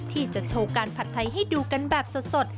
ที่จะโชว์การผัดไทยให้ดูกันแบบสด